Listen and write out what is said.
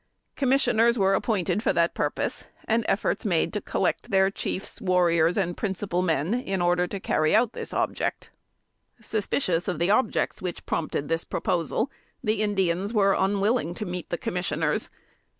Commissioners were appointed for that purpose, and efforts made to collect their chiefs, warriors and principal men, in order to carry out this object. [Sidenote: 1828.] Suspicious of the objects which prompted this proposal, the Indians were unwilling to meet the commissioners.